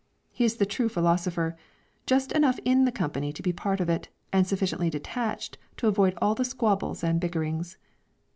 He is the true philosopher; just enough in the company to be part of it, and sufficiently detached to avoid all the squabbles and bickerings.